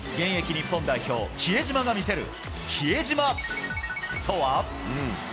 日本代表、比江島が見せる、比江島×××とは？